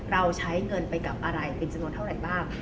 เราใช้เงินไปกับอะไรเป็นจำนวนเท่าไหร่บ้าง